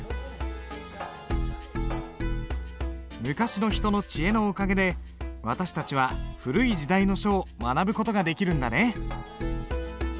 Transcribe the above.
昔の人の知恵のおかげで私たちは古い時代の書を学ぶ事ができるんだね。